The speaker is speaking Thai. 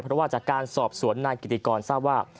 เพราะว่าจากการสอบสวนนายกิติกรทราบว่า